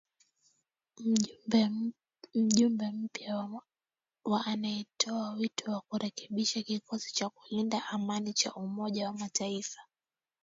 Mjumbe mpya wa anatoa wito wa kurekebishwa kikosi cha kulinda amani cha Umoja wa mataifa.